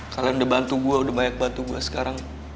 kalian udah bantu gua udah banyak bantu gua sekarang